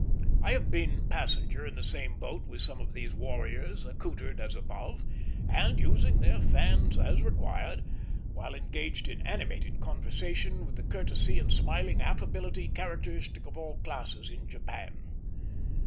I have been passenger in the same boat with some of these warriors, accoutred as above, and using their fans as required, while engaged in animated conversation with the courtesy and smiling affability characteristic of all classes in Japan.